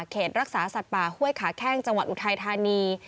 รักษาสัตว์ป่าห้วยขาแข้งจังหวัดอุทัยธานี